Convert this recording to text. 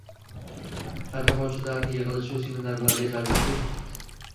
Targ‘ibotchilarni yig‘ilish-u seminarlarga jalb etdi.